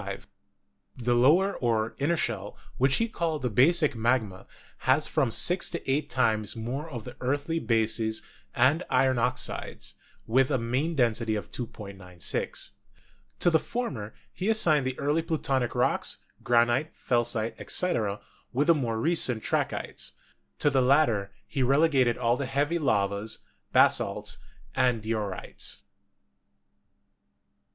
The lower or inner shell, which he called the basic magma, has from six to eight times COMPOSITION OF THE EARTH 89 more of the earthy bases and iron oxides, with a mean density of 2.96. To the former he assigned the early plutonic rocks, granite, felsite, etc., with the more recent trachytes; to the latter he relegated all the heavy lavas, basalts and diorites.